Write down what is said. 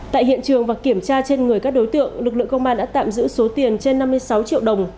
tại hiện trường và kiểm tra trên người các đối tượng lực lượng công an đã tạm giữ số tiền trên năm mươi sáu triệu đồng